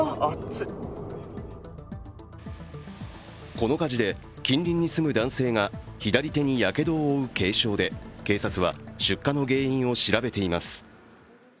この火事で、近隣に住む男性が左手にやけどを負う軽傷で、警察は、出火の原因を調べています。